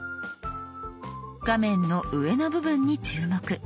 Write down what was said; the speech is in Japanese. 画面の上の部分に注目。